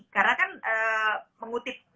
karena kan mengutip